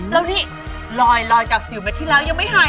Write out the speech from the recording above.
แล้วนี่ลอยจากสิวเม็ดที่แล้วยังไม่หาย